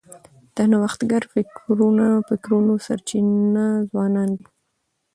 د نوښتګر فکرونو سرچینه ځوانان دي.